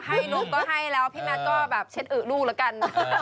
ให้ลูกก็ให้แล้วพี่แมทก็แบบเช็ดอึลูกแล้วกัน